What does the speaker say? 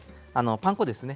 パン粉ですね。